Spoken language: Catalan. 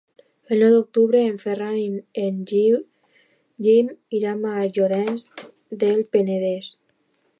El nou d'octubre en Ferran i en Guim iran a Llorenç del Penedès.